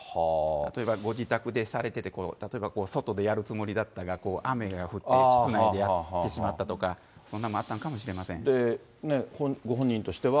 例えばご自宅でされてて、例えば外でやるつもりだったが、雨が降って、室内でやってしまったとか、そんなのもあったのかもしご本人としては。